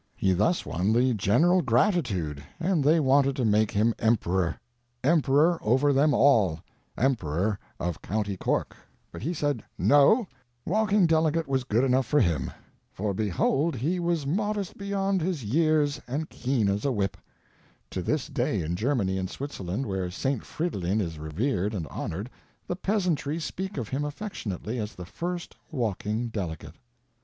He thus won the general gratitude, and they wanted to make him emperor—emperor over them all—emperor of County Cork, but he said, No, walking delegate was good enough for him. For behold! he was modest beyond his years, and keen as a whip. To this day in Germany and Switzerland, where St. Fridolin is revered and honored, the peasantry speak of him affectionately as the first walking delegate.